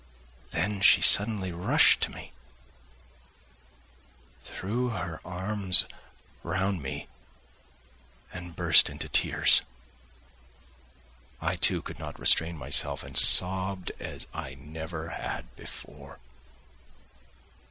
Then she suddenly rushed to me, threw her arms round me and burst into tears. I, too, could not restrain myself, and sobbed as I never had before.